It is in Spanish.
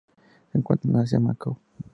Se encuentran en Asia: Macao.